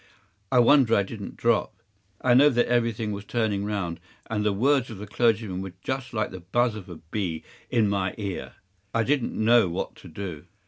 I wonder I didn’t drop. I know that everything was turning round, and the words of the clergyman were just like the buzz of a bee in my ear. I didn’t know what to do.